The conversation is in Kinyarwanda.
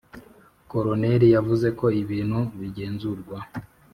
koloneli yavuze ko ibintu bigenzurwa.